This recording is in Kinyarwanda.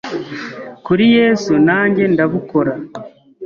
kuri Yesu nanjye ndabukora